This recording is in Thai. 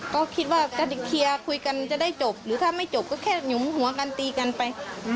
ก็คิดว่าจะเคลียร์คุยกันจะได้จบหรือถ้าไม่จบก็แค่หยุมหัวกันตีกันไป